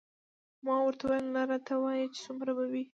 ما ورته وویل نه راته ووایه چې څومره به وي.